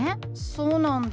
そうなんだ。